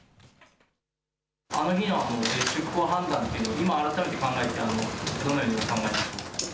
あの日の出航判断というのは、今改めて考えて、どのようにお考